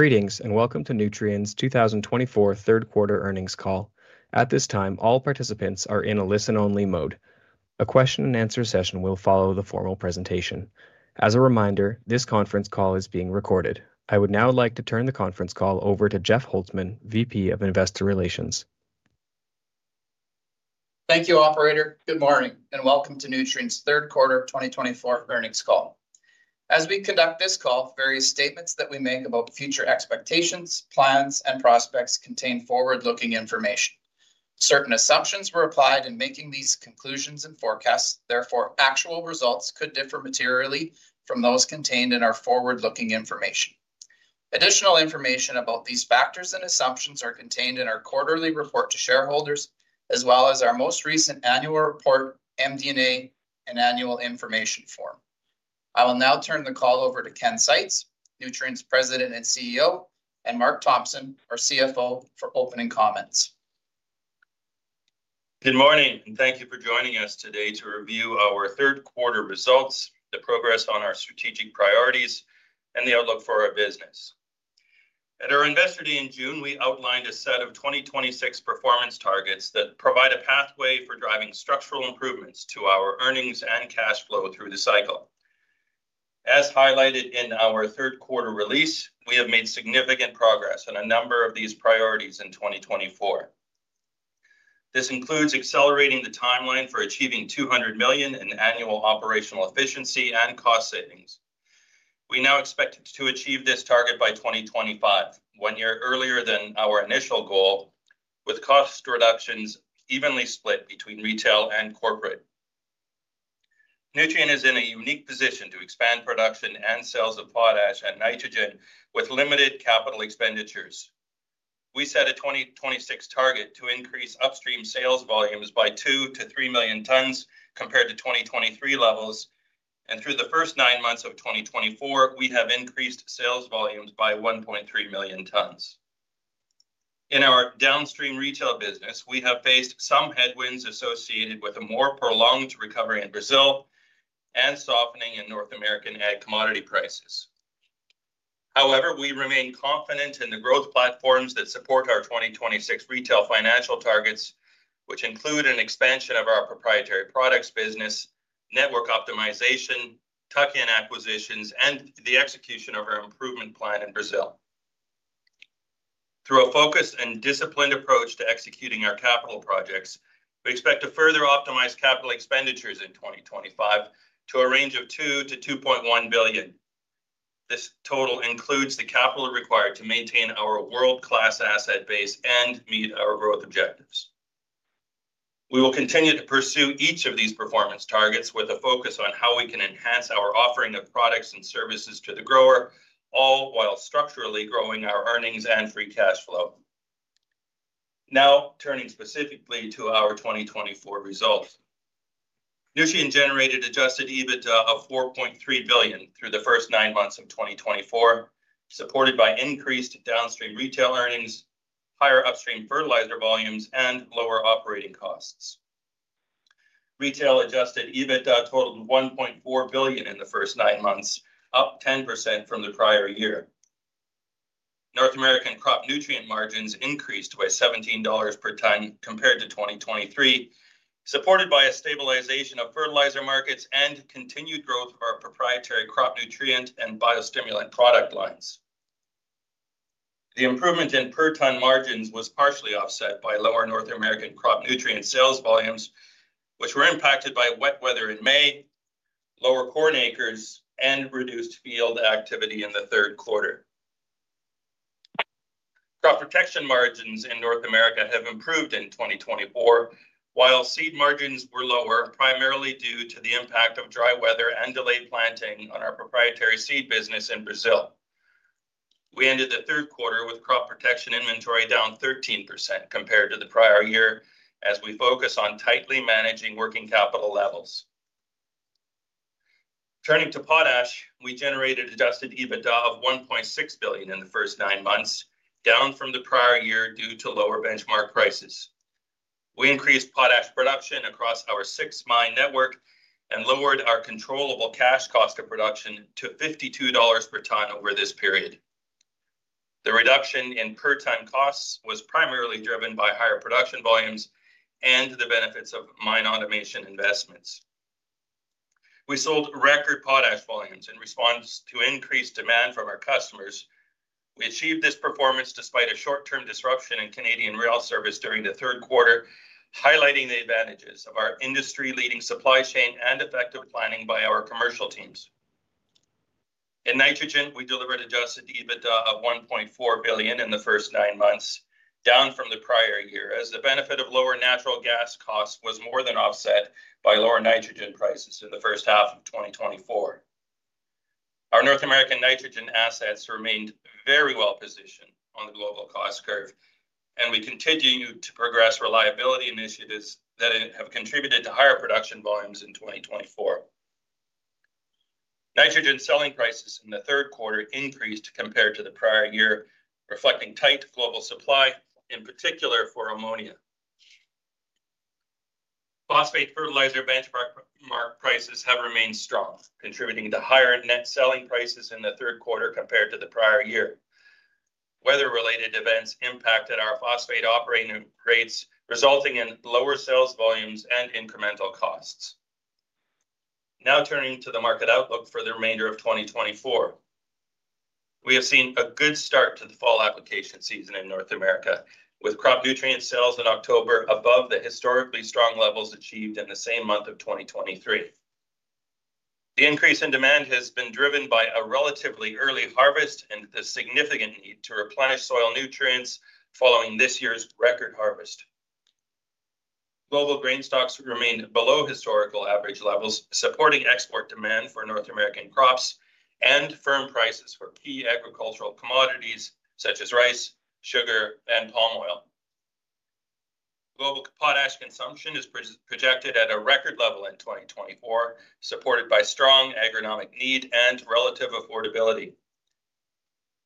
Greetings and welcome to Nutrien's 2024 third quarter earnings call. At this time all participants are in a listen only mode. A question and answer session will follow the formal presentation. As a reminder, this conference call is being recorded. I would now like to turn the conference call over to Jeff Holzman, VP of Investor Relations. Thank you operator. Good morning and welcome to Nutrien's third quarter 2024 earnings call. As we conduct this call, various statements that we make about future expectations, plans and prospects contain forward-looking information. Certain assumptions were applied in making these conclusions and forecasts. Therefore, actual results could differ materially from those contained in our forward-looking information. Additional information about these factors and assumptions are contained in our Quarterly Report to Shareholders as well as our most recent Annual Report, MD&A and Annual Information Form. I will now turn the call over to Ken Seitz, Nutrien's President and CEO, and Mark Thompson, our CFO for opening comments. Good morning and thank you for joining us today to review our third quarter results, the progress on our strategic priorities and the outlook for our business. At our Investor Day in June, we outlined a set of 2026 performance targets that provide a pathway for driving structural improvements to our earnings and cash flow through the cycle. As highlighted in our third quarter release, we have made significant progress on a number of these priorities in 2024. This includes accelerating the timeline for achieving 200 million in annual operational efficiency and cost savings. We now expect to achieve this target by 2025, one year earlier than our initial goal. With cost reductions evenly split between retail and corporate, Nutrien is in a unique position to expand production and sales of potash and nitrogen with limited capital expenditures. We set a 2026 target to increase upstream sales volumes by two to three million tons compared to 2023 levels, and through the first nine months of 2024 we have increased sales volumes by 1.3 million tons in our downstream retail business. We have faced some headwinds associated with a more prolonged recovery in Brazil and softening in North American ag commodity prices. However, we remain confident in the growth platforms that support our 2026 retail financial targets which include an expansion of our proprietary products, business network optimization, tuck-in acquisitions and the execution of our improvement plan in Brazil. Through a focused and disciplined approach to executing our capital projects, we expect to further optimize capital expenditures in 2025 to a range of $2 billion-$2.1 billion. This total includes the capital required to maintain our world-class asset base and meet our growth objectives. We will continue to pursue each of these performance targets with a focus on how we can enhance our offering of products and services to the grower, all while structurally growing our earnings and Free Cash Flow. Now, turning specifically to our 2024 results, Nutrien generated Adjusted EBITDA of $4.3 billion through the first nine months of 2024, supported by increased downstream retail earnings, higher upstream fertilizer volumes and lower operating costs. Retail Adjusted EBITDA totaled $1.4 billion in the first nine months, up 10% from the prior year. North American crop nutrient margins increased by $17 per ton compared to 2023, supported by a stabilization of fertilizer markets and continued growth of our proprietary crop nutrient and biostimulant product lines. The improvement in per ton margins was partially offset by lower North American crop nutrient sales volumes which were impacted by wet weather in May, lower corn acres and reduced field activity in the third quarter. Crop protection margins in North America have improved in 2024 while seed margins were lower primarily due to the impact of dry weather and delayed planting on our proprietary seed business in Brazil. We ended the third quarter with crop protection inventory down 13% compared to the prior year as we focus on tightly managing working capital levels. Turning to potash, we generated adjusted EBITDA of $1.6 billion in the first nine months down from the prior year due to lower benchmark prices. We increased potash production across our six mine network and lowered our controllable cash cost of production to $52 per ton over this period. The reduction in per ton costs was primarily driven by higher production volumes and the benefits of mine automation investments. We sold record potash volumes in response to increased demand from our customers. We achieved this performance despite a short-term disruption in Canadian rail service during the third quarter, highlighting the advantages of our industry-leading supply chain and effective planning by our commercial teams. In nitrogen, we delivered adjusted EBITDA of $1.4 billion in the first nine months down from the prior year as the benefit of lower natural gas costs was more than offset by lower nitrogen prices in the first half of 2024. Our North American nitrogen assets remained very well positioned on the global cost curve and we continue to progress reliability initiatives that have contributed to higher production volumes in 2024. Nitrogen selling prices in the third quarter increased compared to the prior year, reflecting tight global supply, in particular for ammonia, phosphate fertilizer. Benchmark prices have remained strong, contributing to higher net selling prices in the third quarter compared to the prior year. Weather-related events impacted our phosphate operating rates, resulting in lower sales volumes and incremental costs. Now turning to the market outlook for the remainder of 2024, we have seen a good start to the fall application season in North America, with crop nutrient sales in October above the historically strong levels achieved in the same month of 2023. The increase in demand has been driven by a relatively early harvest and the significant need to replenish soil nutrients following this year's record harvest. Global grain stocks remain below historical average levels, supporting export demand for North American crops and firm prices for key agricultural commodities such as rice, sugar and palm oil. Global potash consumption is projected at a record level in 2024, supported by strong agronomic need and relative affordability.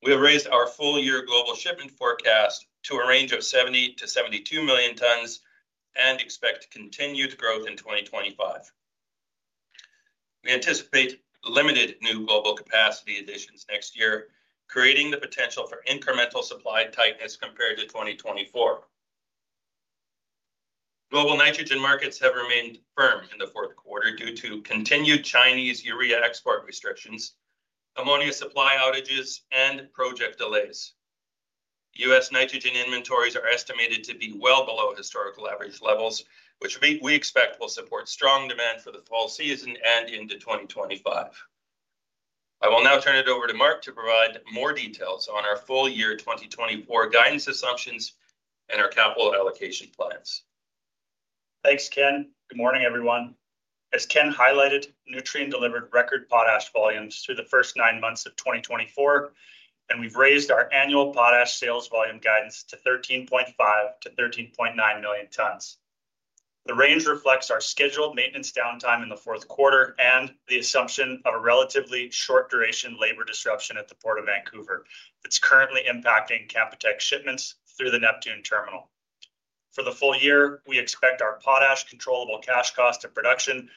We have raised our full year global shipment forecast to a range of 70 to 72 million tons and expect continued growth in 2025. We anticipate limited new global capacity additions next year, creating the potential for incremental supply tightness compared to 2024. Global nitrogen markets have remained firm in the fourth quarter due to continued Chinese urea export restrictions, ammonia supply outages and project delays. U.S. nitrogen inventories are estimated to be well below historical average levels, which we expect will support strong demand for the fall season and into 2025. I will now turn it over to Mark to provide more details on our full year 2024 guidance assumptions and our capital allocation plans. Thanks, Ken. Good morning everyone. As Ken highlighted, Nutrien delivered record potash volumes through the first nine months of 2024 and we've raised our annual potash sales volume guidance to 13.5-13.9 million tons. The range reflects our scheduled maintenance downtime in the fourth quarter and the assumption of a relatively short duration labor disruption at the Port of Vancouver that's currently impacting Canpotex shipments through the Neptune Terminal for the full year. We expect our potash controllable cash cost of production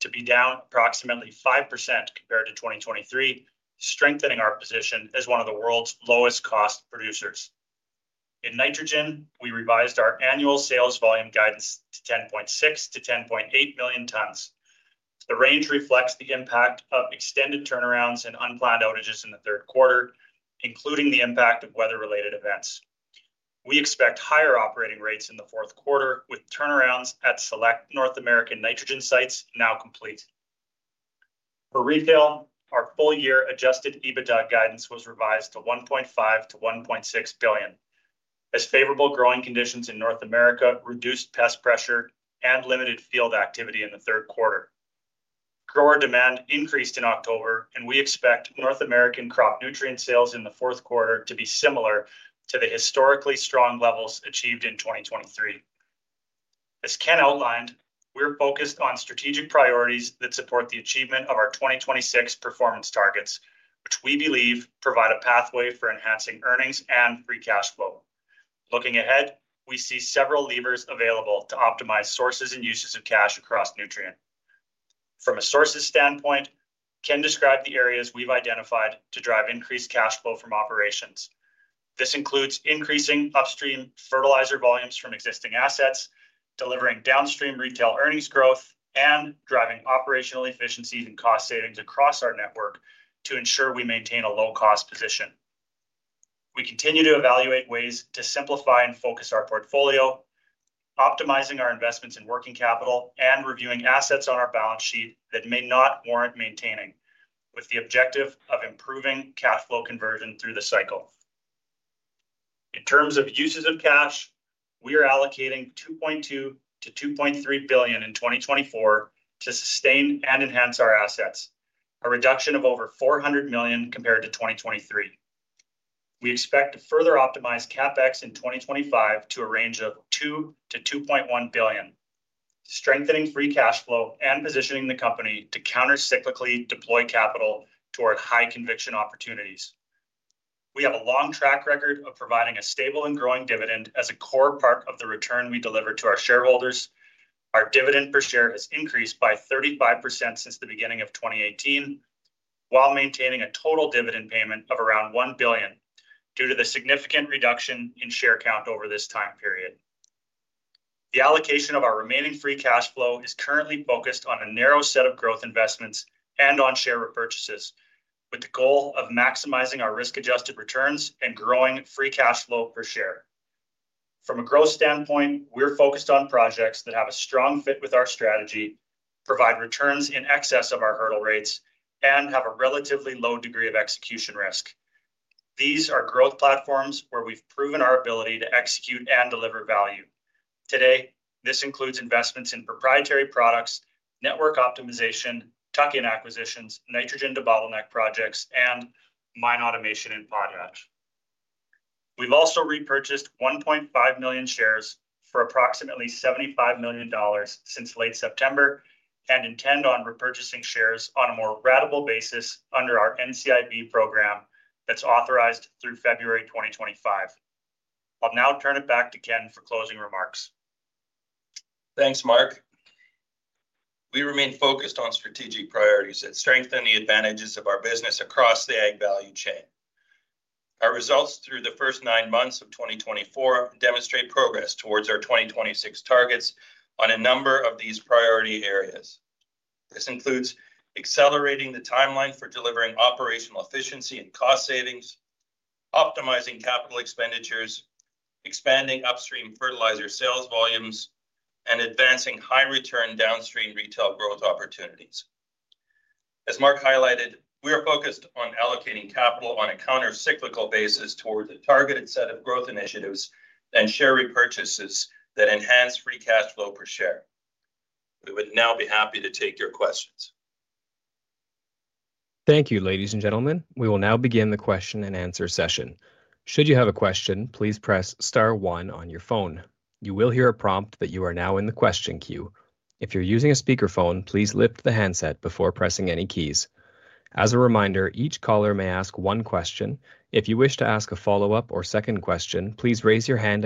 to be down approximately 5% compared to 2023, strengthening our position as one of the world's lowest cost producers in nitrogen. We revised our annual sales volume guidance to 10.6-10.8 million tons. The range reflects the impact of extended turnarounds and unplanned outages in the third quarter, including the impact of weather-related events. We expect higher operating rates in the fourth quarter, with turnarounds at select North American nitrogen sites now complete for retail. Our full-year adjusted EBITDA guidance was revised to $1.5-$1.6 billion as favorable growing conditions in North America reduced pest pressure and limited field activity in the third quarter. Grower demand increased in October and we expect North American crop nutrient sales in the fourth quarter to be similar to the historically strong levels achieved in 2023. As Ken outlined, we're focused on strategic priorities that support the achievement of our 2026 performance targets, which we believe provide a pathway for enhancing earnings and free cash flow. Looking ahead, we see several levers available to optimize sources and uses of cash across Nutrien. From a sources standpoint, Ken described the areas we've identified to drive increased cash flow from operations. This includes increasing upstream fertilizer volumes from existing assets, delivering downstream retail earnings growth and driving operational efficiencies and cost savings across our network. To ensure we maintain a low cost position, we continue to evaluate ways to simplify and focus our portfolio, optimizing our investments in working capital and reviewing assets on our balance sheet that may not warrant maintaining. With the objective of improving cash flow conversion through the cycle. In terms of uses of cash, we are allocating $2.2-$2.3 billion in 2024 to sustain and enhance our assets, a reduction of over $400 million compared to 2023. We expect to further optimize CapEx in 2025 to a range of $2-$2.1 billion, strengthening free cash flow and positioning the company to counter cyclically deploy capital toward high conviction opportunities. We have a long track record of providing a stable and growing dividend as a core part of the return we deliver to our shareholders, and our dividend per share has increased by 35% since the beginning of 2018 while maintaining a total dividend payment of around $1 billion due to the significant reduction in share count over this time period. The allocation of our remaining free cash flow is currently focused on a narrow set of growth investments and on share repurchases with the goal of maximizing our risk adjusted returns and growing free cash flow per share. From a growth standpoint, we're focused on projects that have a strong fit with our strategy, provide returns in excess of our hurdle rates and have a relatively low degree of execution risk. These are growth platforms where we've proven our ability to execute and deliver value. Today, this includes investments in proprietary products, network optimization, tuck-in acquisitions, nitrogen debottleneck projects, and mine automation in Potash. We've also repurchased 1.5 million shares for approximately $75 million since late September and intend on repurchasing shares on a more ratable basis under our NCIB program that's authorized through February 2025. I'll now turn it back to Ken for closing remarks. Thanks, Mark. We remain focused on strategic priorities that strengthen the advantages of our business across the Ag value chain. Our results through the first nine months of 2024 demonstrate progress towards our 2026 targets on a number of these priority areas. This includes accelerating the timeline for delivering operational efficiency and cost savings, optimizing capital expenditures, expanding upstream fertilizer sales volumes, and advancing high return downstream retail growth opportunities. As Mark highlighted, we are focused on allocating capital on a countercyclical basis towards a targeted set of growth initiatives and share repurchases that enhance free cash flow per share. We would now be happy to take your questions. Thank you, ladies and gentlemen. We will now begin the question-and-answer session. Should you have a question, please press star one on your phone. You will hear a prompt that you are now in the question queue. If you're using a speakerphone, please lift the handset before pressing any keys. As a reminder, each caller may ask one question. If you wish to ask a follow-up or second question, please press star one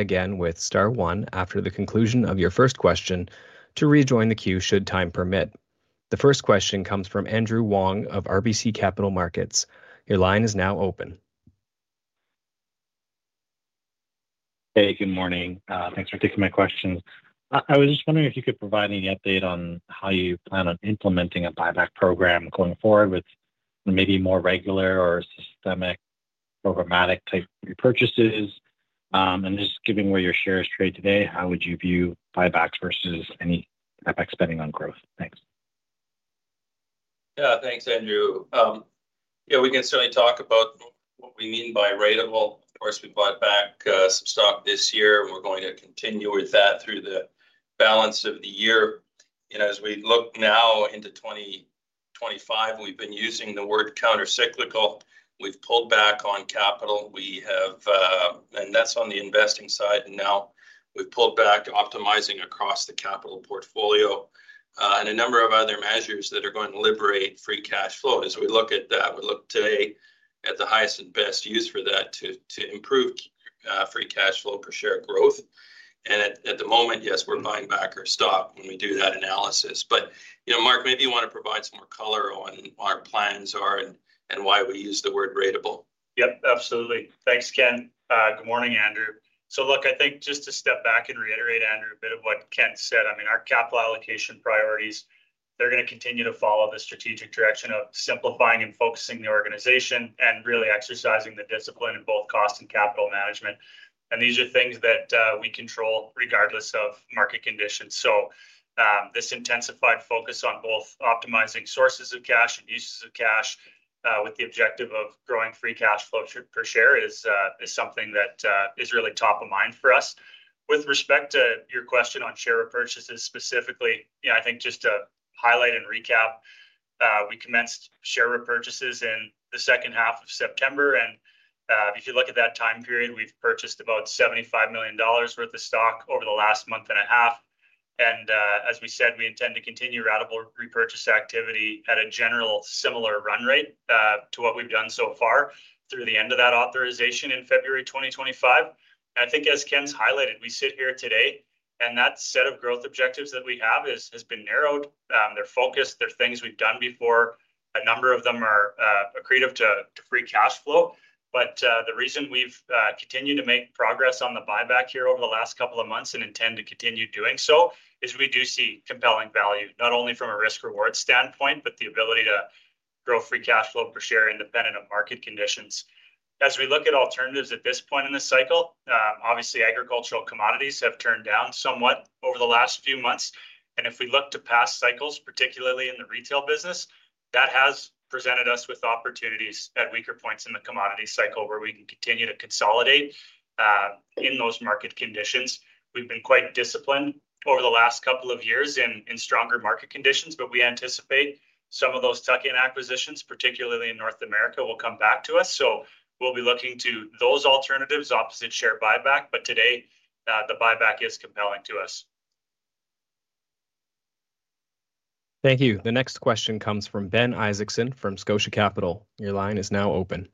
again after the conclusion of your first question to rejoin the queue should time permit. The first question comes from Andrew Wong of RBC Capital Markets. Your line is now open. Hey, good morning. Thanks for taking my questions. I was just wondering if you could provide any update on how you plan on implementing a buyback program going forward with maybe more regular or systematic programmatic type repurchases and just given how your shares traded today. How would you view buybacks versus any spending on growth? Thanks. Thanks Andrew. Yeah, we can certainly talk about what we mean by ratable. Of course we bought back some stock this year and we're going to continue with that through the balance of the year. You know, as we look now into 2025, we've been using the word counter-cyclical. We've pulled back on capital. We have, and that's on the investing side. And now we've pulled back optimizing across the capital portfolio and a number of other measures that are going to liberate free cash flow. As we look at that, we look today at the highest and best use for that to improve free cash flow per share growth. And at the moment, yes, we're buying back our stock when we do that analysis. But Mark, maybe you want to provide some more color on our plans and why we use the word ratable. Yep, absolutely. Thanks, Ken. Good morning, Andrew. So look, I think just to step back and reiterate, Andrew, a bit of what Ken said. I mean, our capital allocation priorities, they're going to continue to follow the strategic direction of simplifying and focusing the organization and really exercising the discipline and both cost and capital management, and these are things that we control regardless of market conditions, so this intensified focus on both optimizing sources of cash and uses of cash with the objective of growing free cash flow per share is something that is really top of mind for us. With respect to your question on share repurchases specifically, I think just to highlight and recap, we commenced share repurchases in the second half of September, and if you look at that time period, we've purchased about $75 million worth of stock over the last month and a half. As we said, we intend to continue ratable repurchase activity at a general similar run rate to what we've done so far through the end of that authorization in February 2025. I think, as Ken's highlighted, we sit here today and that set of growth objectives that we have has been narrowed. They're focused, they're things we've done before. A number of them are accretive to free cash flow. But the reason we've continued to make progress on the buyback here over the last couple of months and intend to continue doing so is we do see compelling value, not only from a risk reward standpoint, but the ability to grow free cash flow per share independent of market conditions as we look at alternatives at this point in the cycle. Obviously, agricultural commodities have turned down somewhat over the last few months. And if we look to past cycles, particularly in the retail business, that has presented us with opportunities at weaker points in the commodity cycle where we can continue to consolidate in those market conditions. We've been quite disciplined over the last couple of years in stronger market conditions, but we anticipate some of those tuck in acquisitions, particularly in North America, will come back to us. So we'll be looking to those alternatives opposite share buyback. But today the buyback is compelling to us. Thank you. The next question comes from Ben Isaacson from Scotia Capital. Your line is now open.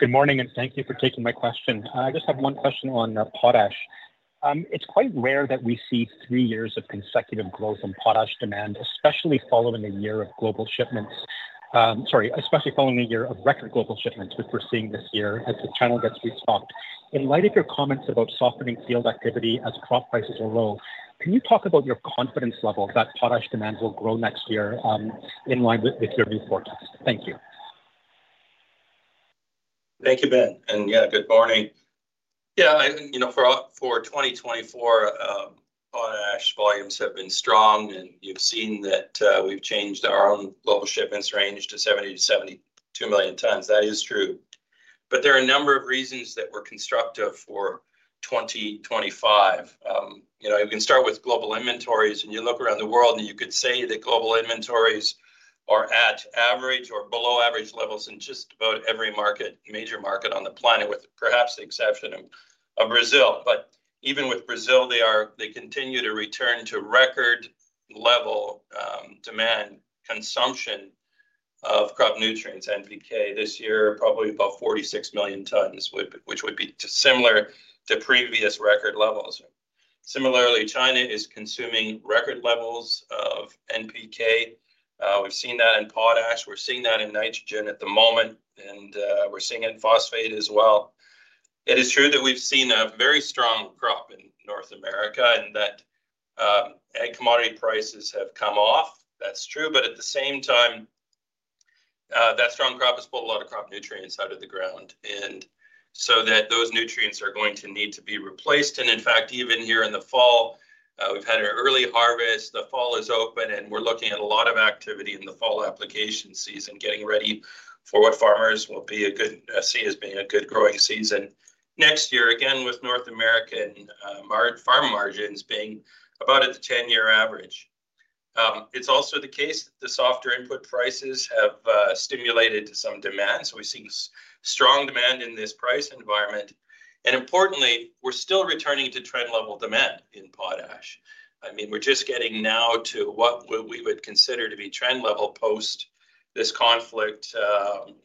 Good morning and thank you for taking my question. I just have one question on potash. It's quite rare that we see three years of consecutive growth in potash demand, especially following a year of global shipments. Sorry. Especially following a year of record global shipments, which we're seeing this year as the channel gets restocked in light of your comments about softening field activity as crop prices will roll. Can you talk about your confidence level that potash demand will grow next year in line with your new forecast? Thank you. Thank you, Ben. Yeah, good morning. Yeah. You know, for 2024 potash volumes have been strong. And you've seen that we've changed our own global shipments range to 70-72 million tons. That is true. But there are a number of reasons that were constructive for 2025. You know, you can start with global inventories and you look around the world and you could say that global inventories are at average or below average levels in just about every major market on the planet, with perhaps the exception of Brazil. But even with Brazil they continue to return to record level demand consumption of crop nutrients, NPK this year probably about 46 million tons, which would be similar to previous record levels. Similarly, China is consuming record levels of NPK. We've seen that in potash. We're seeing that in nitrogen at the moment, and we're seeing it in phosphate as well. It is true that we've seen a very strong crop in North America, and that commodity prices have come off. That's true. But at the same time, that strong crop has pulled a lot of crop nutrients out of the ground, and so those nutrients are going to need to be replaced. And in fact, even here in the fall, we've had an early harvest. The fall is open, and we're looking at a lot of activity in the fall application season, getting ready for what farmers will see as being a good growing season next year. Again, with North American farm margins being about at the 10-year average. It's also the case that the softer input prices have stimulated some demand. So we're seeing strong demand in this price environment and importantly, we're still returning to trend level demand in potash. I mean, we're just getting now to what we would consider to be trend level post this conflict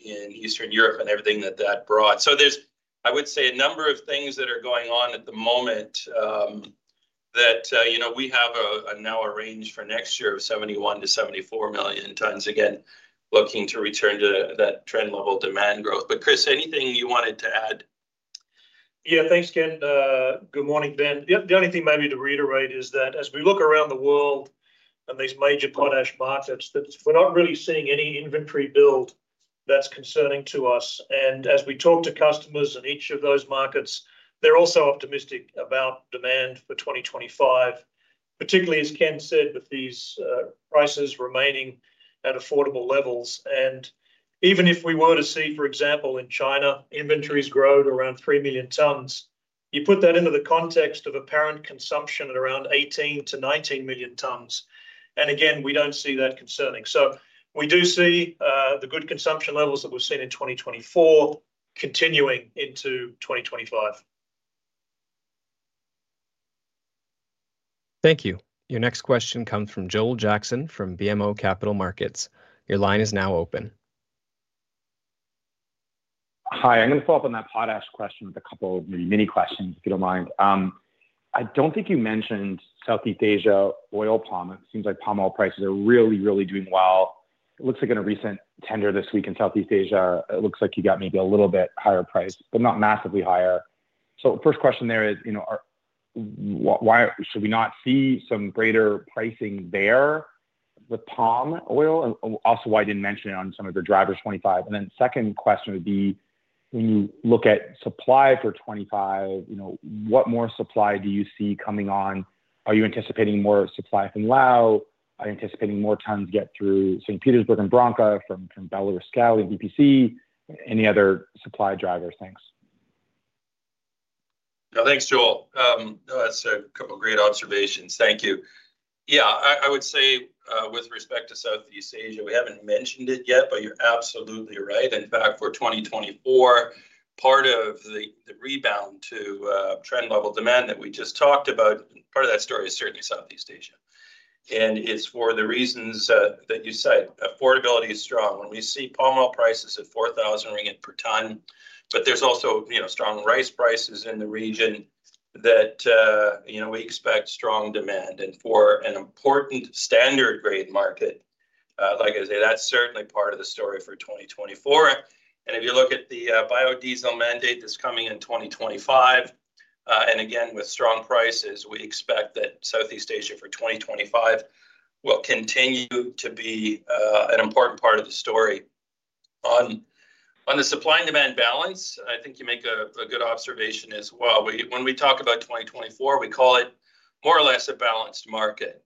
in Eastern Europe and everything that that brought. So there's, I would say a number of things that are going on at the moment that you know, we have a now a range for next year of 71 to 74 million tons. Again looking to return to that trend level demand growth. But Chris, anything you wanted to add? Yeah, thanks, Ken. Good morning, Ben. The only thing maybe to reiterate is that as we look around the world and these major potash markets that we're not really seeing any inventory build that's concerning to us. And as we talk to customers in each of those markets, they're also optimistic about demand for 2025, particularly as Ken said, with these prices remaining at affordable levels. And even if we were to see, for example in China inventories grow to around three million tons, you put that into the context of apparent consumption at around 18-19 million tons. And again we don't see that concerning, so we do see the good consumption levels that we've seen in 2024 continuing into 2025. Thank you. Your next question comes from Joel Jackson from BMO Capital Markets. Your line is now open. Hi. I'm going to follow up on that potash question with a couple maybe mini questions if you don't mind. I don't think you mentioned Southeast Asia oil palm. It seems like palm oil prices are. Really, really doing well. It looks like in a recent tender this week in Southeast Asia, it looks like you got maybe a little bit higher price but not massively higher. So first question there is why should we not see some greater pricing there with palm oil? Also why I didn't mention it on some of the drivers 25 and then second question would be when you look at supply for 25, what more supply do you see coming on? Are you anticipating more supply from Laos? Anticipating more tons get through St. Petersburg and Bronka? From Belarus company, BPC? Any other supply drivers? Thanks. Thanks, Joel. That's a couple of great observations. Thank you. Yeah, I would say with respect to Southeast Asia, we haven't mentioned it yet, but you're absolutely right. In fact, for 2024, part of the rebound to trend level demand that we just talked about, part of that story is certainly Southeast Asia and it's for the reasons that you cite. Affordability is strong when we see palm oil prices at 4,000 ringgit per ton, but there's also strong rice prices in the region that we expect strong demand and for an important standard grade market, like I say, that's certainly part of the story for 2024. And if you look at the biodiesel mandate that's coming in 2025 and again with strong prices, we expect that Southeast Asia for 2025 will continue to be an important part of the story. On the supply and demand balance, I think you make a good observation as well. When we talk about 2024, we call it more or less a balanced market,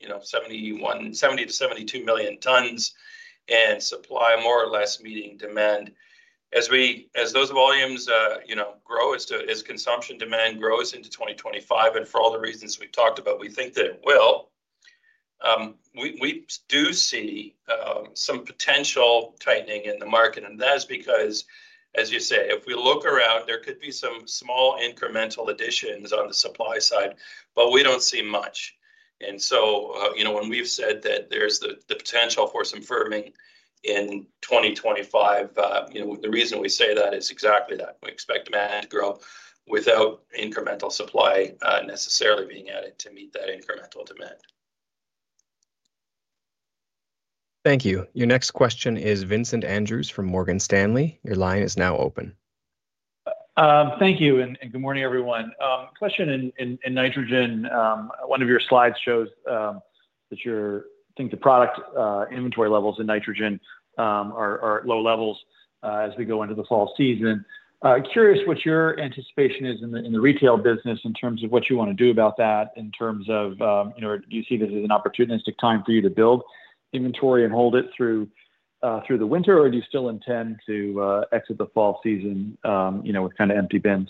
you know, 71, 70-72 million tons and supply more or less meeting demand as we, as those volumes grow, as consumption demand grows into 2025 and for all the reasons we've talked about, we think that it will. We do see some potential tightening in the market. That is because as you say, if we look around there could be some small incremental additions on the supply side, but we don't see much. So you know, when we've said that there's the potential for some firming in 2025. You know, the reason we say that is exactly that we expect demand to grow without incremental supply necessarily being added to meet that incremental demand. Thank you. Your next question is Vincent Andrews from Morgan Stanley. Your line is now open. Thank you and good morning, everyone. Question in nitrogen. One of your slides shows that you think the product inventory levels in nitrogen are at low levels as we go into the fall season. Curious what your anticipation is in the retail business in terms of what you want to do about that, in terms of do you see this as an opportunistic time for you to build inventory and hold it through the winter, or do you still intend to exit the fall season with kind of empty bins?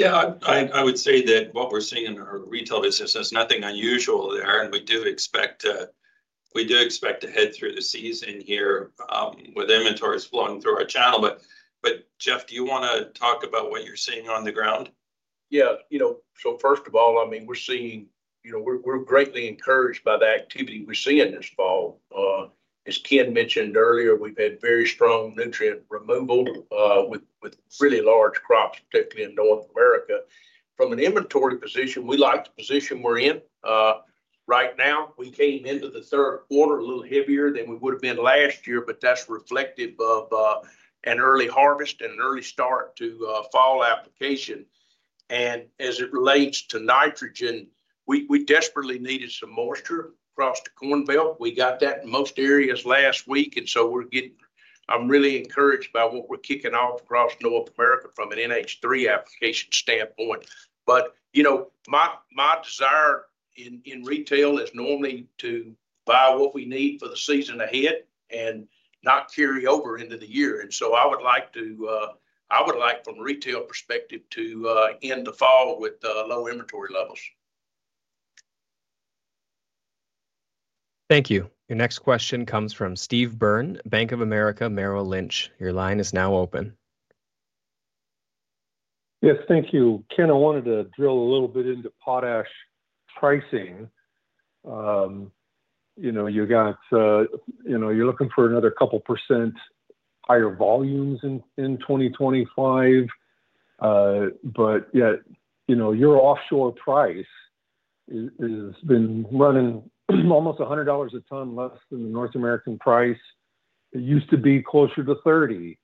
Yeah, I would say that what we're seeing in our retail business is nothing unusual there, and we do expect, we do expect to head through the season here with inventories flowing through our channel, but Jeff, do you want to talk about what you're seeing on the ground? Yeah. So first of all, I mean, we're seeing. We're greatly encouraged by the activity we're seeing this fall. As Ken mentioned earlier, we've had very strong nutrient removal with really large crops, particularly in North America, from an inventory position. We like the position we're in right now. We came into the third quarter a little heavier than we would have been last year, but that's reflective of an early harvest and early start to fall application. And as it relates to nitrogen, we desperately needed some moisture across the Corn Belt. We got that in most areas last week. And so we're getting. I'm really encouraged by what we're kicking off across North America from an NH3 application standpoint. But you know, my desire in retail is normally to buy what we need for the season ahead and not carry over into the year.I would like to, I would like from a retail perspective to end the fall with low inventory levels. Thank you. Your next question comes from Steve Byrne, Bank of America, Merrill Lynch. Your line is now open. Yes. Thank you, Ken. I wanted to drill a little bit into potash pricing. You know, you got, you know, you're looking for another couple percent higher volumes in 2025, but yet, you know, your offshore price has been running almost $100 a ton less than the North American price. It used to be closer to $30.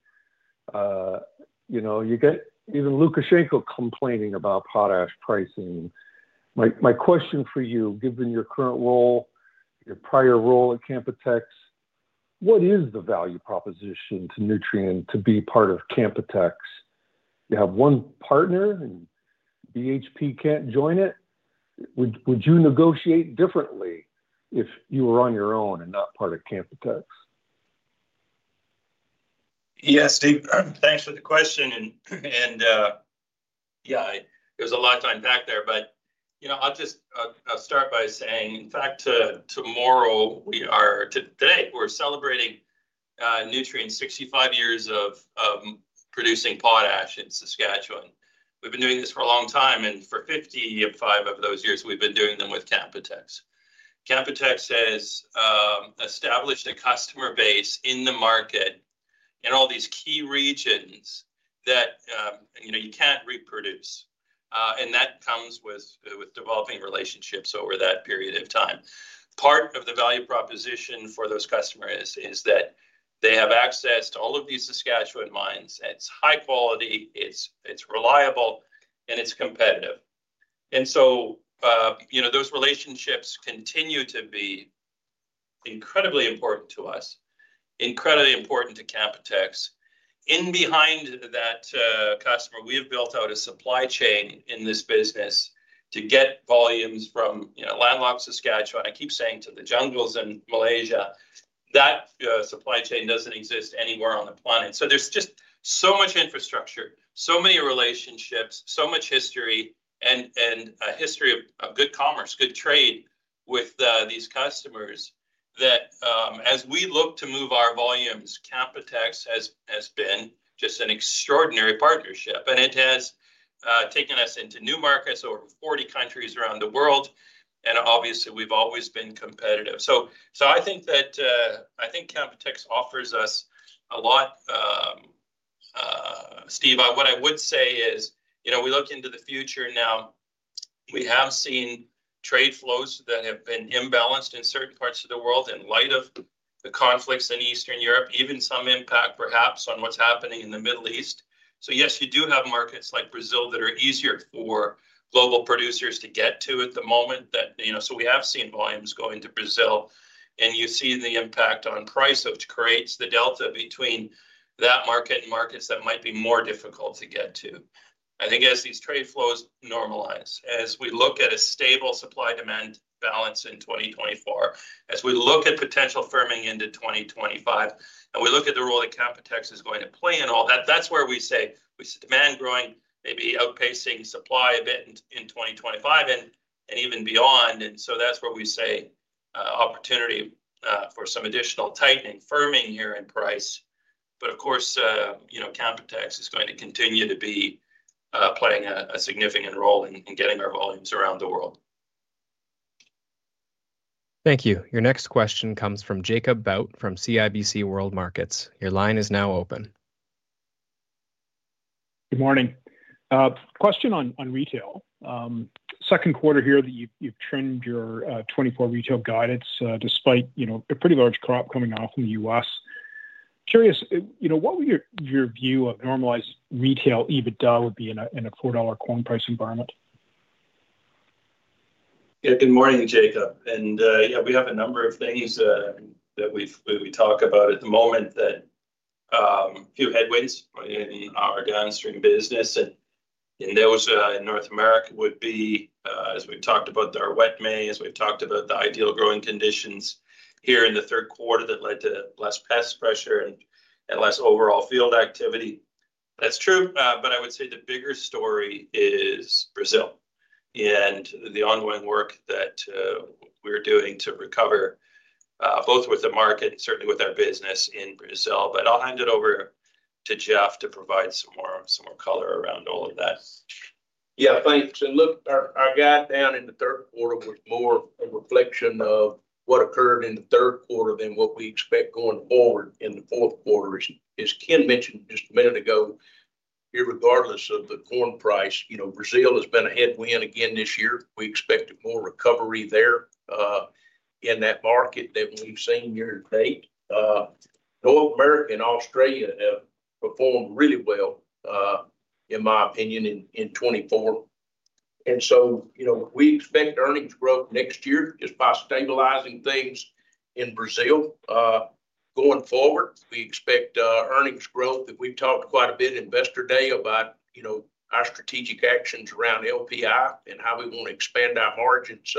You know, you get even Lukashenko complaining about potash pricing. My question for you, given your current role, your prior role at Canpotex, what is the value proposition to Nutrien, to be part of Canpotex, you have one partner and BHP can't join it. Would you negotiate differently if you were on your own and not part of Canpotex? Yes, Steve, thanks for the question. And yeah, there's a lot to unpack there. But, you know, I'll just start by saying, in fact, tomorrow we are. Today we're celebrating Nutrien's 65 years of producing potash in Saskatchewan. We've been doing this for a long time, and for 55 of those years we've been doing them with Canpotex. Canpotex has established a customer base in the market in all these key regions that, you know, you can't reproduce. And that comes with developing relationships over that period of time. Part of the value proposition for those customers is that they have access to all of these Saskatchewan mines. It's high quality, it's reliable, and it's competitive. And so, you know, those relationships continue to be incredibly important to us, incredibly important to Canpotex. And behind that customer. We have built out a supply chain in this business to get volumes from landlocked Saskatchewan. I keep saying to the jungles in Malaysia, that supply chain doesn't exist anywhere on the planet. So there's just so much infrastructure, so many relationships, so much history, and a history of good commerce, good trade with these customers that as we look to move our volumes, Canpotex has been just an extraordinary partnership and it has taken us into new markets over 40 countries around the world. And obviously we've always been competitive. So I think Canpotex offers us a lot. Steve, what I would say is, you know, we look into the future now. We have seen trade flows that have been imbalanced in certain parts of the world in light of the conflicts in Eastern Europe, even some impact perhaps on what's happening in the Middle East. So, yes, you do have markets like Brazil that are easier for global producers to get to at the moment. So we have seen volumes go into Brazil and you see the impact on price which creates the delta between that market and markets that might be more difficult to get to. I think as these trade flows normalize, as we look at a stable supply demand balance in 2024, as we look at potential firming into 2025, and we look at the role that Canpotex is going to play in all that, that's where we say we see demand growing, maybe outpacing supply a bit in 2025 and even beyond. That's where we say opportunity for some additional tightening, firming here in price. But of course, you know, Canpotex is going to continue to be playing a significant role in getting our volumes around the world. Thank you. Your next question comes from Jacob Bout from CIBC World Markets. Your line is now open. Good morning. Question on retail. Second quarter here that you've trimmed your 2024 retail guidance despite, you know, a pretty large crop coming off in the U.S. Curious, you know, what would your, your view of normalized retail EBITDA would be in a $4 corn price environment? Yeah. Good morning, Jacob. Yeah, we have a number of things that we've talked about at the moment: a few headwinds in our downstream business. And those in North America would be, as we talked about, our wet May, as we've talked about the ideal growing conditions here in the third quarter that led to less pest pressure and less overall field activity. That's true. But I would say the bigger story is Brazil and the ongoing work that we're doing to recover both with the market and certainly with our business in Brazil. But I'll hand it over to Jeff to provide some more color around all of that. Yeah, thanks. And look, our guidance down in the third quarter was more a reflection of what occurred in the third quarter than what we expect going forward in the fourth quarter is, as Ken mentioned just a minute ago, irregardless of the corn price. You know, Brazil has been a headwind again this year. We expected more recovery there in that market than we've seen year to date. North America and Australia have performed really well, in my opinion, in 24. And so, you know, we expect earnings growth next year just by stabilizing things in Brazil going forward. We expect earnings growth that we've talked quite a bit Investor Day about, you know, our strategic actions around LPI and how we want to expand our margins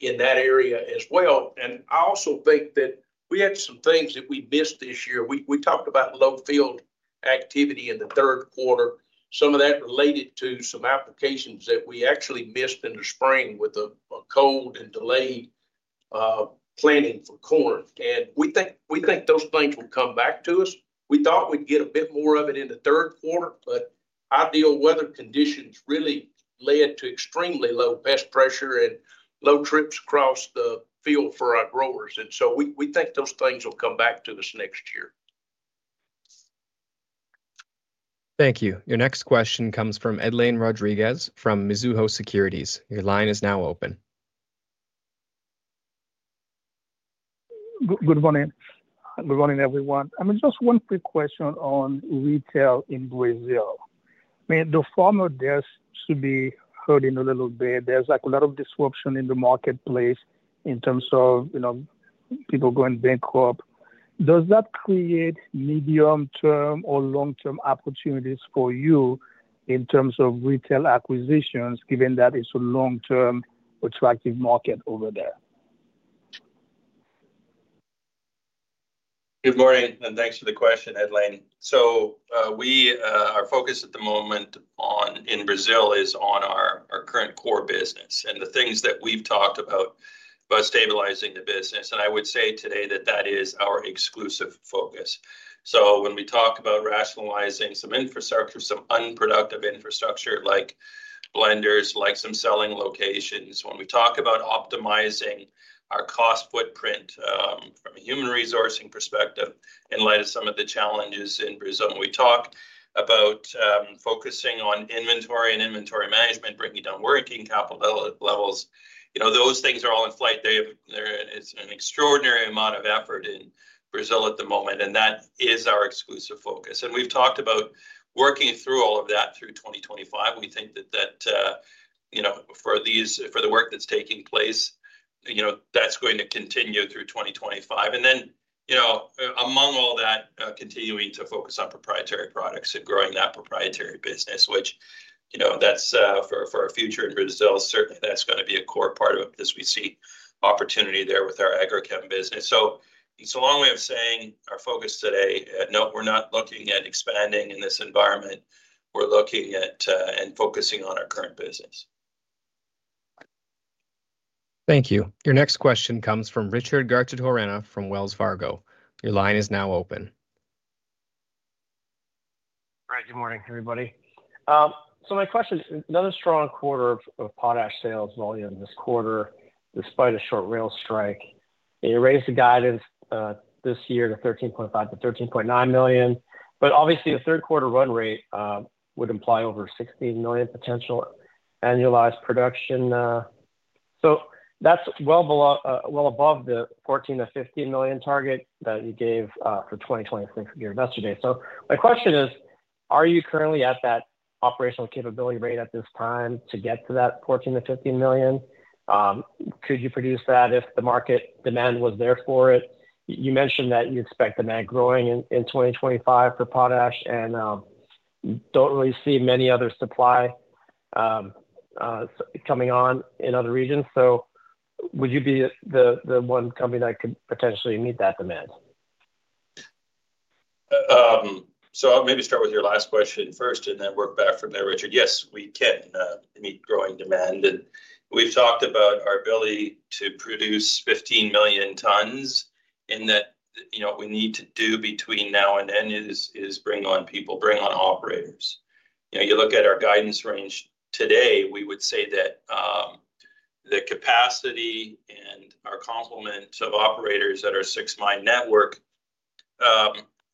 in that area as well. And I also think that we had some things that we missed this year. We talked about low field activity in the third quarter, some of that related to some applications that we actually missed in the spring with a cold and delayed planting for corn. And we think, we think those things will come back to us. We thought we'd get a bit more of it in the third quarter, but ideal weather conditions really led to extremely low pest pressure and low trips across the field for our growers. And so we think those things will come back to us next year. Thank you. Your next question comes from Edlain Rodriguez from Mizuho Securities. Your line is now open. Good morning. Good morning, everyone. I mean, just one quick question on retail in Brazil. The former debt should be hurting a little bit. There's like a lot of disruption in the marketplace in terms of, you know, people going bankrupt. Does that create medium-term or long-term opportunities for you in terms of retail acquisitions, given that it's a long-term attractive market over there? Good morning and thanks for the question, Edlaine. Our focus at the moment in Brazil is on our current core business and the things that we've talked about by stabilizing the business. I would say today that that is our exclusive focus. When we talk about rationalizing some infrastructure, some unproductive infrastructure like blenders, like some selling locations, when we talk about optimizing our cost footprint from a human resources perspective in light of some of the challenges in Brazil, we talk about focusing on inventory and inventory management, bringing down working capital levels. You know, those things are all in flight. There is an extraordinary amount of effort in Brazil at the moment and that is our exclusive focus. We've talked about working through all of that through 2025. We think that you know, for these, for the work that's taking place, you know, that's going to continue through 2025. And then you know, among all that, continuing to focus on proprietary products and growing that proprietary business, which, you know, that's for our future in Brazil, certainly that's going to be a core part of it as we see opportunity there with our agrochem business. So it's a long way of saying our focus today. No, we're not looking at expanding in this environment. We're looking at and focusing on our current business. Thank you. Your next question comes from Richard Garchitorena from Wells Fargo. Your line is now open. All right, good morning everybody. So my question: another strong quarter of potash sales volume this quarter, despite a short rail strike. It raised the guidance this year to 13.5-13.9 million. But obviously a third quarter run rate would imply over 16 million potential annualized production. So that's well above the 14-15 million target that you gave for 2026 of your investor day. So my question is, are you currently at that operational capability rate at this time to get to that 14-15 million? Could you produce that if the market demand was there for it? You mentioned that you expect demand growing in 2025 for potash and don't really see many other supply coming on in other regions. So would you be the one company that could potentially meet that demand? So I'll maybe start with your last question first and then work back from there. Richard? Yes, we can meet growing demand, and we've talked about our ability to produce 15 million tons. In that, you know, we need to do between now and then is bring on people, bring on operators. You know, you look at our guidance range today. We would say that the capacity and our complement of operators at our six mine network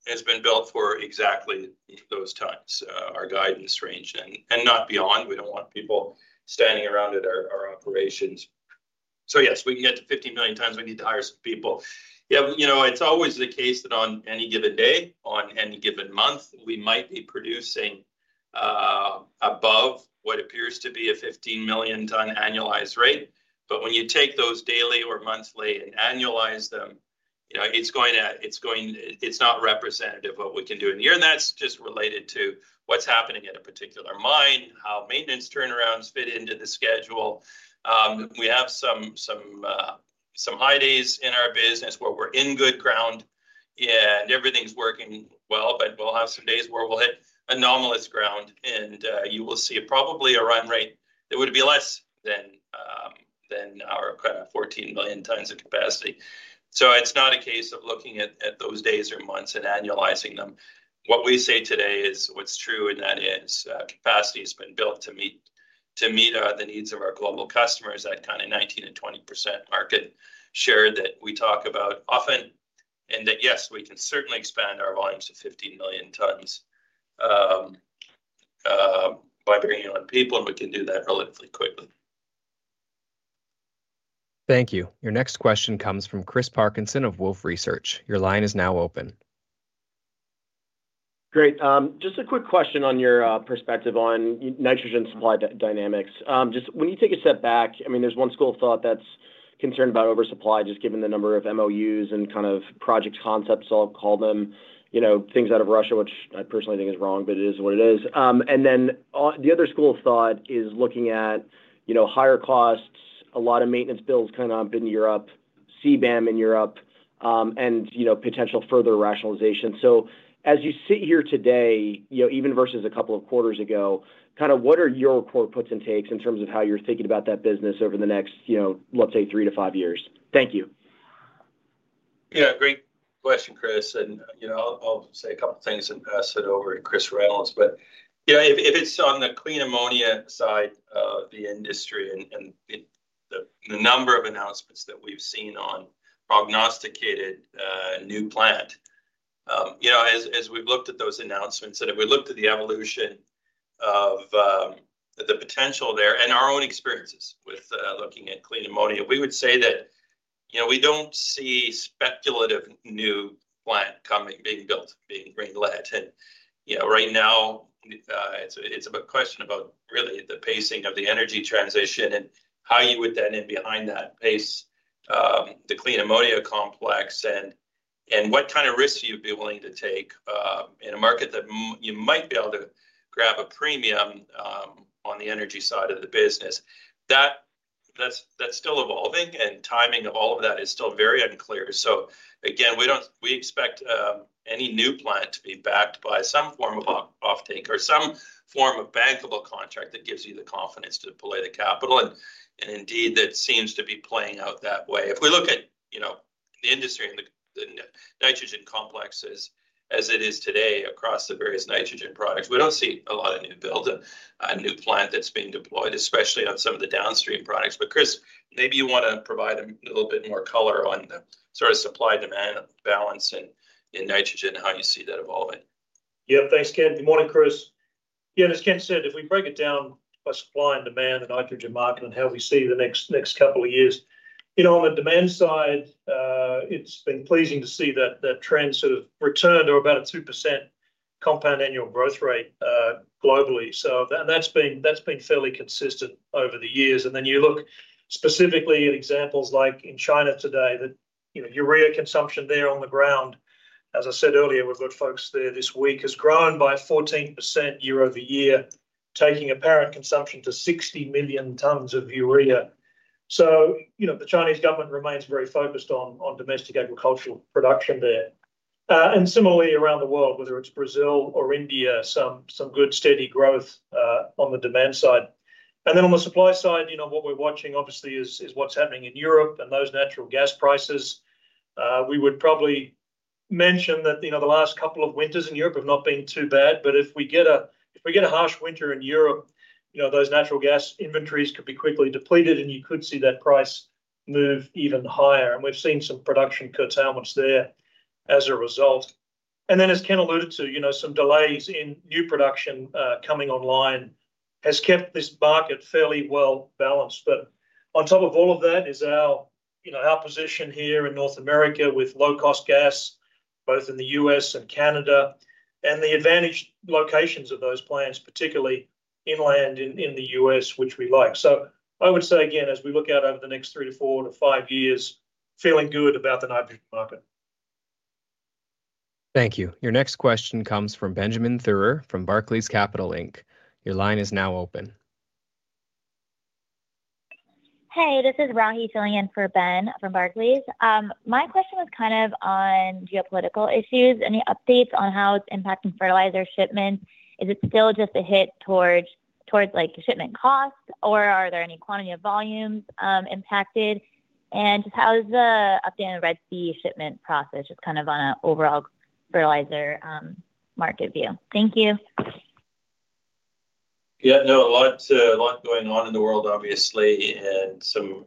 has been built for exactly those times, our guidance range, and not beyond. We don't want people standing around at our operations. So yes, we can get to 50 million tons. We need to hire some people. Yeah. You know, it's always the case that on any given day, on any given month, we might be producing above what appears to be a 15 million ton annualized rate. But when you take those daily or monthly and annualize them, you know, it's going to, it's not representative of what we can do in the year. And that's just related to what's happening at a particular mine, how maintenance turnarounds fit into the schedule. We have some high days in our business where we're in good ground and everything's working well, but we'll have some days where we'll hit anomalous ground and you will see probably a run rate that would be less than our 14 million tons of capacity. So it's not a case of looking at those days or months and annualizing them. What we say today is what's true in that is capacity has been built to meet the needs of our global customers. That kind of 19%-20% market share that we talk about often and that yes, we can certainly expand our volumes to 15 million tons. By bringing on people and we can do that relatively quickly. Thank you. Your next question comes from Chris Parkinson of Wolfe Research. Your line is now open. Great. Just a quick question on your perspective on nitrogen supply dynamics. Just when you take a step back, I mean, there's one school of thought that's concerned about oversupply. Just given the number of MOUs and kind of project concepts, I'll call them, you know, things out of Russia, which I personally think is wrong, but it. Is what it is. And then the other school of thought is looking at, you know, higher costs, a lot of maintenance bills coming up in Europe, CBAM in Europe, and you know, potential further rationalization. So as you sit here today, you know, even versus a couple of quarters ago, kind of what are your core puts and takes in terms of how you're thinking about that business over the next, you know, let's say three to five years? Thank you. Yeah, great question, Chris. You know, I'll say a couple things and pass it over to Chris Reynolds. But yeah, if it's on the clean ammonia side, the industry and the number of announcements that we've seen on projected new plants, you know, as we've looked at those announcements and if we looked at the evolution of the potential there and our own experiences with looking at clean ammonia, we would say that, you know, we don't see speculative new plant coming, being built, being greenlit. And you know, right now it's a question about really the pacing of the energy transition and how you would then in behind that pace the clean ammonia complex and, and what kind of risks you'd be willing to take in a market that you might be able to grab a premium on the energy side of the business. That's still evolving and timing of all of that is still very unclear. So again, we don't expect any new plant to be backed by some form of offtake or some form of bankable contract that gives you the confidence to deploy the capital. And indeed, that seems to be playing out that way. If we look at, you know, the industry and the nitrogen complexes as it is today across the various nitrogen products, we don't see a lot of new build a new plant that's being deployed, especially on some of the downstream products. But Chris, maybe you want to provide a little bit more color on the sort of supply, demand, balance in nitrogen, how you see that evolving. Yeah. Thanks, Ken. Good morning, Chris. As Ken said, if we break it down by supply and demand, the nitrogen market and how we see the next couple of years on the demand side, it's been pleasing to see that trend sort of return to about a 2% compound annual growth rate globally. So that's been fairly consistent over the years. And then you look specifically at examples like in China today that, you know, urea consumption there on the ground, as I said earlier, we've got folks there this week has grown by 14% year over year, taking apparent consumption to 60 million tons of urea. So, you know, the Chinese government remains very focused on domestic agricultural production there and similarly around the world, whether it's Brazil or India, some good steady growth on the demand side. And then on the supply side, you know, what we're watching obviously is what's happening in Europe and those natural gas prices. We would probably mention that, you know, the last couple of winters in Europe have not been too bad, but if we get a harsh winter in Europe, you know, those natural gas inventories could be quickly depleted and you could see that price move even higher. And we've seen some production curtailments there as a result. And then as Ken alluded to, you know, some delays in new production coming online has kept this market fairly well balanced. But on top of all of that is our, you know, our position here in North America with low cost gas both in the U.S. and Canada and the advantageous locations of those plants, particularly inland in the U.S. which we like. So I would say again as we look out over the next three to four to five years, feeling good about the nitrogen market. Thank you. Your next question comes from Benjamin Theurer from Barclays Capital Inc. Your line is now open. Hey, this is Rahi filling in for Ben from Barclays. My question was kind of on geopolitical issues. Any updates on how it's impacting fertilizer shipments? Is it still just a hit towards like shipment costs or are there any quantity of volumes impacted and how is the update on Red Sea shipment process just kind of on an overall fertilizer market view? Thank you. Yeah, no, a lot going on in the world obviously and some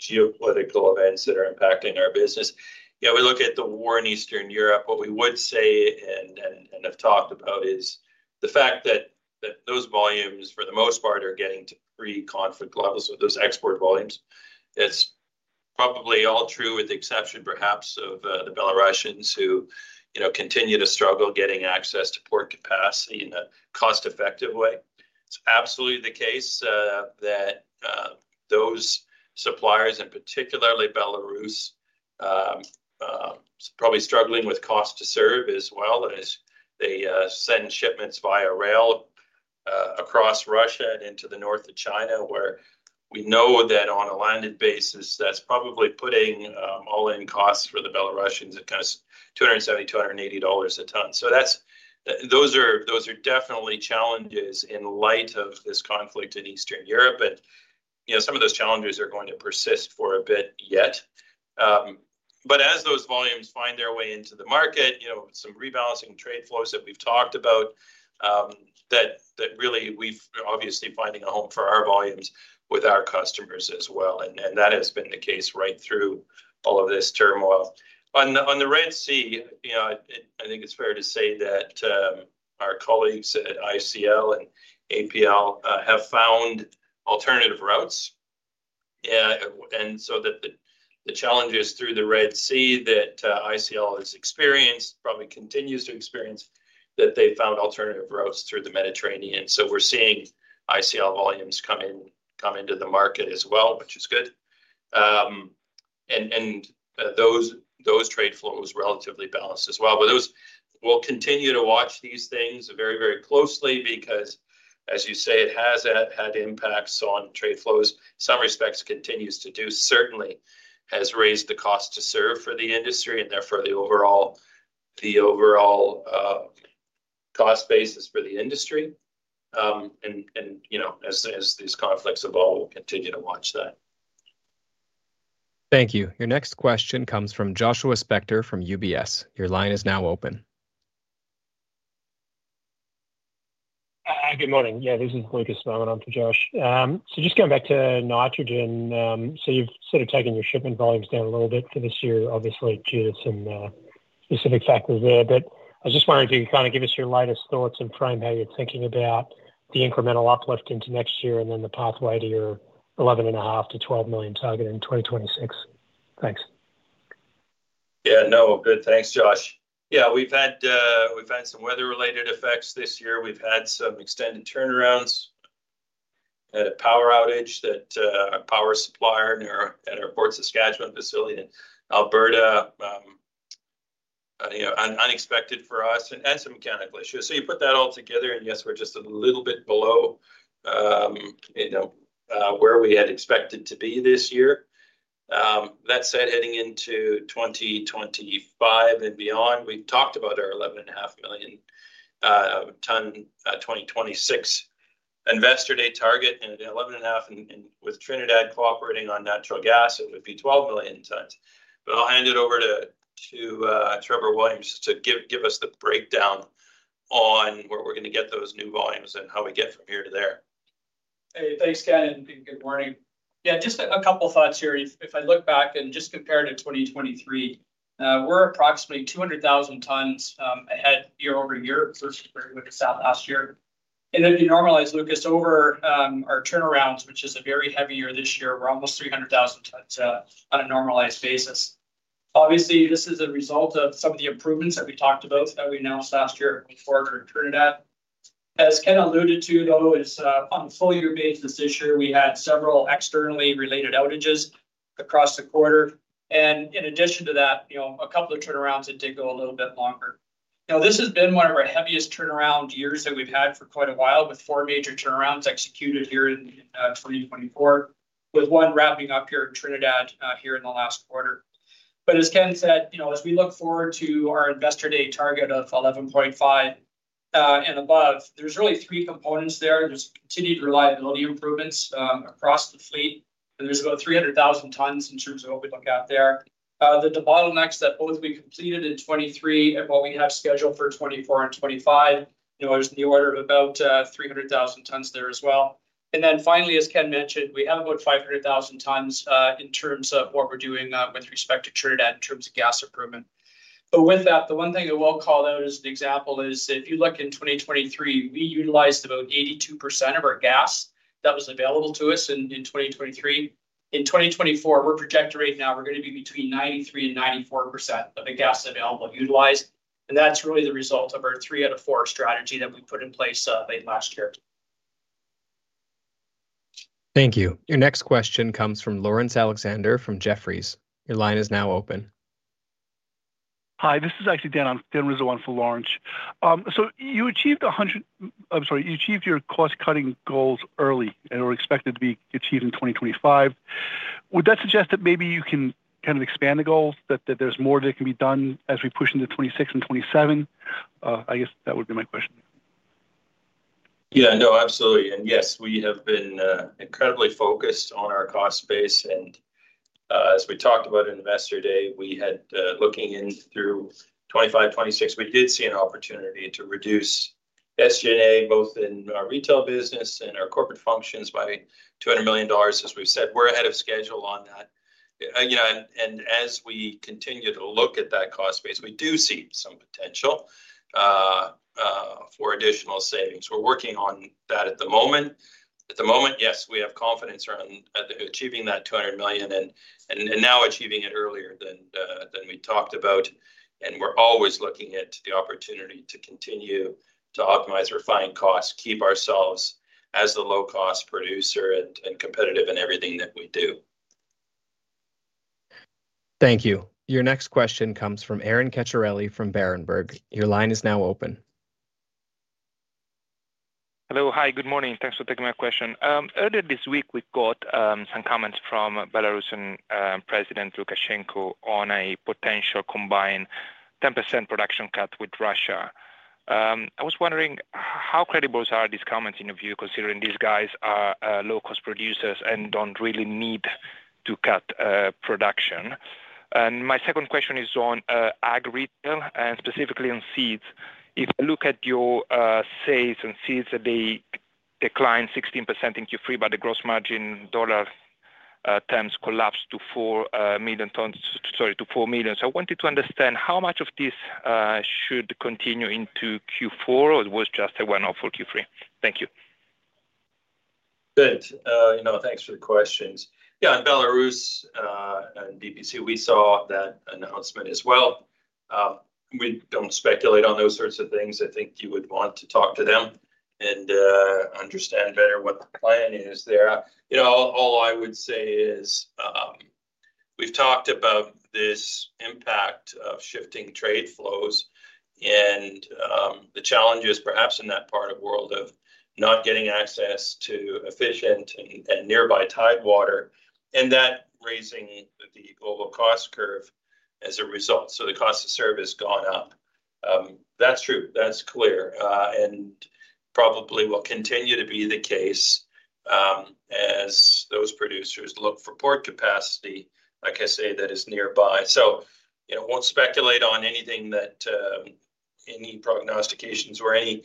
geopolitical events that are impacting our business. Yeah, we look at the war in Eastern Europe. What we would say and have talked about is the fact that those volumes for the most part are getting to pre-conflict levels with those export volumes. It's probably all true with the exception perhaps of the Belarusians who continue to struggle getting access to port capacity in a cost-effective way. It's absolutely the case that those suppliers, and particularly Belarus probably struggling with cost to serve as well as they send shipments via rail across Russia and into the north of China where we know that on a landed basis that's probably putting all-in costs for the Belarusians at kind of $270-$280 a ton. That's, those are, those are definitely challenges in light of this conflict in Eastern Europe. You know, some of those challenges are going to persist for a bit yet. As those volumes find their way into the market, you know, some rebalancing trade flows that we've talked about that really we've obviously finding a home for our volumes with our customers as well. That has been the case right through all of this turmoil on the Red Sea. You know, I think it's fair to say that our colleagues at ICL and APC have found alternative routes and so that the challenges through the Red Sea that ICL has experienced probably continues to experience that they found alternative routes through the Mediterranean. We're seeing ICL volumes come in, come into the market as well, which is good. And those trade flows relatively balanced as well. But those will continue to watch these things very, very closely because as you say, it has had impacts on trade flows in some respects, continues to do, certainly has raised the cost to serve for the industry and therefore the overall cost basis for the industry. And you know, as soon as these conflicts evolve, we'll continue to watch that. Thank you. Your next question comes from Joshua Spector from UBS. Your line is now open. Good morning. Yeah, this is Lucas Beaumont for Josh. So just going back to nitrogen. So you've sort of taken your shipment volumes down a little bit for this year obviously due to some specific factors there. But I just wonder if you kind of give us your latest thoughts and frame how you're thinking about the incremental uplift into next year and then the pathway to your 11.5-12 million target in 2026. Thanks. Yeah, no, good, thanks, Josh. Yeah, we've had some weather-related effects this year. We've had some extended turnarounds at a power outage that our power supplier at our Fort Saskatchewan facility in Alberta, you know, unexpected for us and some mechanical issues. So you put that all together and yes, we're just a little bit below, you know, where we had expected to be this year. That said, heading into 2025 and beyond. We've talked about our 11 and a half million ton 2026 investor day target and 11 and a half. And with Trinidad cooperating on natural gas, it would be 12 million tons. But I'll hand it over to Trevor Williams to give us the breakdown on where we're going to get those new volumes and how we get from here to there. Hey, thanks, Ken, and good morning. Yeah, just a couple thoughts here. If I look back and just compare to 2023, we're approximately 200,000 tons ahead year over year versus where we sat last year, and if you normalize, Lucas, over our turnarounds, which is a very heavy year this year, we're almost 300,000 tons on a normalized basis. Obviously this is a result of some of the improvements that we talked about that we announced last year before Trinidad. As Ken alluded to though, it's on a full year basis this year. We had several externally related outages across the quarter and in addition to that, you know, a couple of turnarounds that did go a little bit longer. Now this has been one of our heaviest turnaround years that we've had for quite a while with four major turnarounds executed here in 2024, with one wrapping up here in Trinidad here in the last quarter, but as Ken said, as we look forward to our investor day target of 11.5 and above, there's really three components there. There's continued reliability improvements across the fleet, and there's about 300,000 tons in terms of what we look at there, the bottlenecks that both we completed in 2023 and what we have scheduled for 2024 and 2025, you know, there's in the order of about 300,000 tons there as well, and then finally, as Ken mentioned, we have about 500,000 tons in terms of what we're doing with respect to Trinidad in terms equipment. But with that, the one thing that we'll call out as an example is if you look in 2023, we utilized about 82% of our gas that was available to us in 2023. In 2024, we're projected right now we're going to be between 93% and 94% of the gas available utilized. And that's really the result of our 3 out of 4 strategy that we put in place late last year. Thank you. Your next question comes from Lawrence Alexander from Jefferies. Your line is now open. Hi, this is actually Dan, Dan Rizzo on for Lawrence. So you achieved 100. I'm sorry, you achieved your cost cutting goals early and were expected to be achieved in 2025. Would that suggest that maybe you can kind of expand the goals, that there's more that can be done as we push into 2026 and 2027? I guess that would be my question. Yeah. No, absolutely. And yes, we have been incredibly focused on our cost base. And as we talked about in Investor Day, we had looking in through 2025, 2026, we did see an opportunity to reduce SG&A, both in our retail business and our corporate functions by $200 million. As we've said, we're ahead of schedule on that. You know, and as we continue to look at that cost base, we do see some potential for additional savings. We're working on that at the moment. At the moment, yes, we have confidence around achieving that $200 million and now achieving it earlier than we talked about. And we're always looking at the opportunity to continue to optimize refined costs, keep ourselves as the low cost producer and competitive in everything that we do. Thank you. Your next question comes fromAron Ceccarelli from Berenberg. Your line is now open. Hello. Hi, good morning. Thanks for taking my question. Earlier this week we got some comments from Belarusian President Lukashenko on a potential combined 10% production cut with Russia. I was wondering how credible are these comments in your view considering these guys are low cost producers and don't really need to cut production. And my second question is on ag retail and specifically on seeds in. If I look at your sales of seeds that they declined 16% in Q3 but the gross margin dollar terms collapsed to 4 million tons. Sorry, to $4 million. So I wanted to understand how much of this should continue into Q4 or it was just a one off for Q3. Thank you. Good. You know, thanks for the questions. Yeah, in Belarus and BPC we saw that announcement as well. We don't speculate on those sorts of things. I think you would want to talk to them and understand better what the plan is there. You know, all I would say is we've talked about this impact of shifting trade flows and the challenges perhaps in that part of world of not getting access to efficient and nearby tidewater and that raising the global cost curve as a result. So the cost of service gone up. That's true, that's clear and probably will continue to be the case as those producers look for port capacity. Like I say, that is nearby. So you know, won't speculate on anything that any prognostications or anything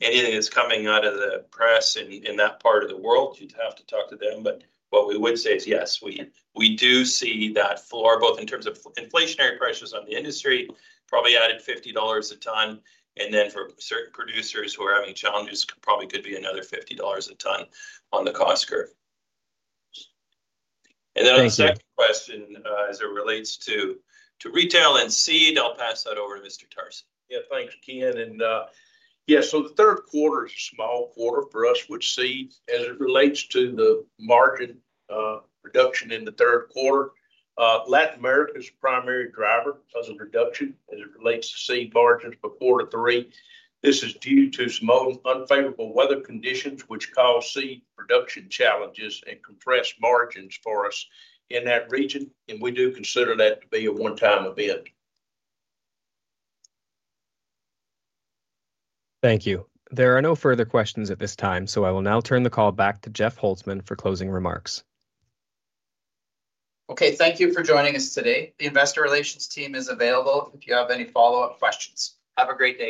that's coming out of the press in that part of the world, you'd have to talk to them. But what we would say is yes, we do see that floor both in terms of inflationary pressures on the industry probably added $50 a ton and then for certain producers who are having challenges, probably could be another $50 a ton on the cost curve. And then the question as it relates to retail and seed. I'll pass that over to Mr. Tarsi. Yeah, thanks Ken. The third quarter is a slow quarter for us. With seeds, as it relates to the margin reduction in the third quarter, Latin America is the primary driver of the reduction. As it relates to seed margins prior to Q3. This is due to some unfavorable weather conditions which cause seed production challenges and compressed margins for us in that region. We do consider that to be a one-time event. Thank you. There are no further questions at this time. So I will now turn the call back to Jeff Holtzman for closing remarks. Okay, thank you for joining us today. The investor relations team is available if you have any follow up questions. Have a great day.